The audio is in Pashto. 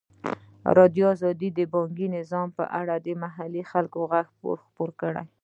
ازادي راډیو د بانکي نظام په اړه د محلي خلکو غږ خپور کړی.